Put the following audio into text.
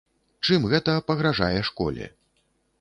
Чым гэта пагражае школе?